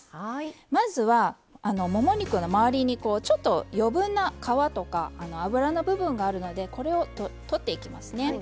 まずはもも肉のまわりにちょっと余分な皮とか脂の部分があるのでこれを取っていきますね。